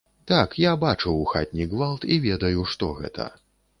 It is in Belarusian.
Так, я бачыў хатні гвалт і ведаю, што гэта.